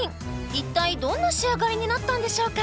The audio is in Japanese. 一体どんな仕上がりになったんでしょうか？